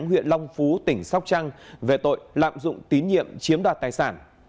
huyện long phú tỉnh sóc trăng về tội lạm dụng tín nhiệm chiếm đoạt tài sản